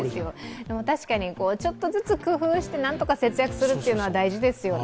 確かにちょっとずつ工夫してなんとか節約するというのは大事ですよね。